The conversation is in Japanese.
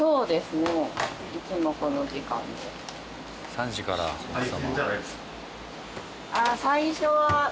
３時から奥様。